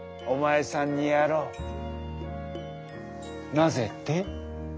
なぜって？